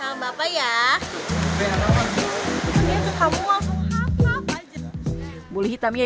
jangan lagi ya terima kasih